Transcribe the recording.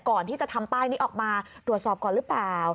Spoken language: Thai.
ก่อนที่จะทำป้ายนี้ออกมาตรวจสอบก่อนหรือเปล่า